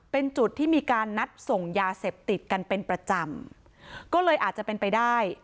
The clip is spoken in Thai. เป็นจุดที่มีการนัดส่งยาเสพติดกันเป็นประจำก็เลยอาจจะเป็นไปได้